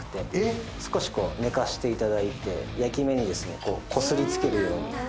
少し寝かしていただいて焼き目にこすりつけるように。